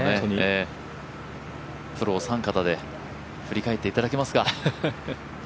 プロお三方で振り返っていただけますか。